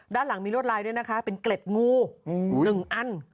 ด้านหลังมีรวดลายด้วยนะคะเป็นเกล็ดงู๑อัน